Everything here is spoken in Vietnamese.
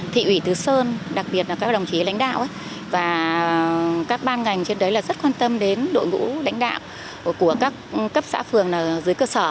thị ủy tứ sơn đặc biệt là các đồng chí lãnh đạo và các ban ngành trên đấy là rất quan tâm đến đội ngũ lãnh đạo của các cấp xã phường dưới cơ sở